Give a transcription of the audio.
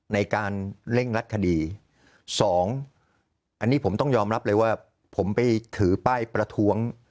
ในการเร่งรัดคดีสองอันนี้ผมต้องยอมรับเลยว่าผมไปถือป้ายประท้วง